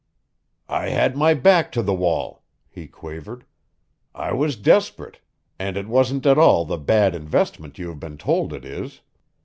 "I had my back to the wall," he quavered. "I was desperate and it wasn't at all the bad investment you have been told it is.